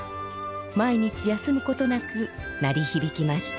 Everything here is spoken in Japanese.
毎日休むことなく鳴りひびきました。